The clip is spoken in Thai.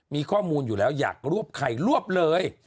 มีข้อมูลอยู่แล้วอยากรวบใครรวบเลย